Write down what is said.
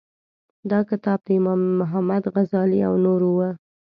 دا کتاب د امام محمد غزالي او نورو و.